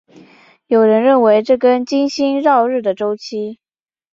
有人认为这跟金星绕日的周期。